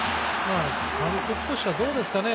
監督としてはどうでしょうね。